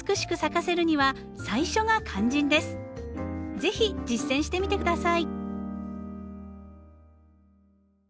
是非実践してみて下さい。